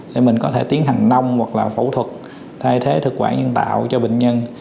để mình có thể tiến hành nông hoặc là phẫu thuật thay thế thực quản nhân tạo cho bệnh nhân